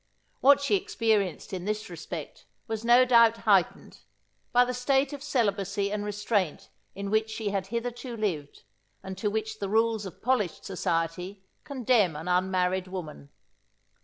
What she experienced in this respect, was no doubt heightened, by the state of celibacy and restraint in which she had hitherto lived, and to which the rules of polished society condemn an unmarried woman.